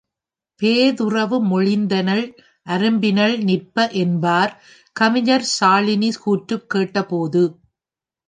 பேதுறவு மொழிந்தனள், அரும்பினள் நிற்ப என்பார் கவிஞர் சாலினி கூற்றுக் கேட்டபோது.